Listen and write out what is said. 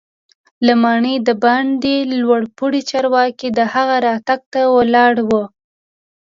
له ماڼۍ دباندې لوړ پوړي چارواکي د هغه راتګ ته ولاړ وو.